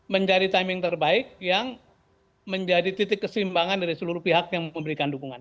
mencari timing terbaik yang menjadi titik kesimbangan dari seluruh pihak yang memberikan dukungan